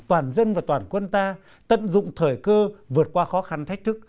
toàn dân và toàn quân ta tận dụng thời cơ vượt qua khó khăn thách thức